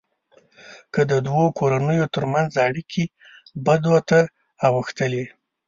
که د دوو کورنيو ترمنځ اړیکې بدو ته اوښتلې.